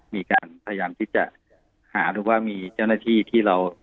มีการพยายามที่จะหาหรือว่ามีเจ้าหน้าที่ที่เรา